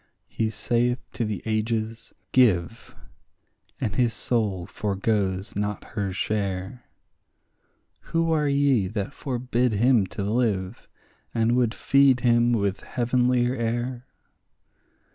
He saith to the ages, Give; and his soul foregoes not her share; Who are ye that forbid him to live, and would feed him with heavenlier air?